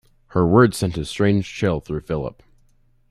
Her words sent a strange chill through Philip.